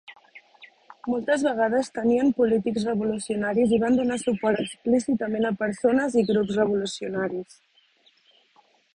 Moltes vegades tenien polítics revolucionaris i van donar suport explícitament a persones i grups revolucionaris.